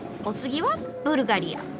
お次はブルガリア。